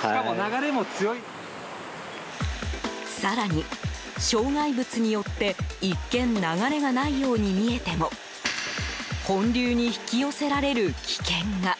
更に、障害物によって一見、流れがないように見えても本流に引き寄せられる危険が。